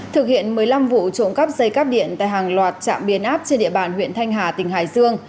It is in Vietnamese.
thực hiện một mươi năm vụ trộm cắp dây cắp điện tại hàng loạt trạm biến áp trên địa bàn huyện thanh hà tỉnh hải dương